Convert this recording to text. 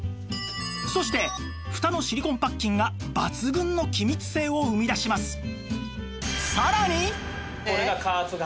そしてフタのシリコンパッキンが抜群の気密性を生み出しますえっ！？